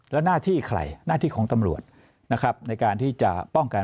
แล้วหน้าที่ใครหน้าที่ของตำรวจนะครับในการที่จะป้องกัน